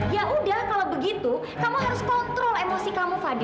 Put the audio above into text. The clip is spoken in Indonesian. ya udah kalau begitu kamu harus kontrol emosi kamu fadil